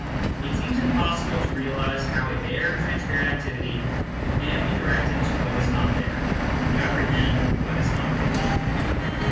It seems impossible to realise how a bare, transparent activity can be directed to what is not there, to apprehend what is not given."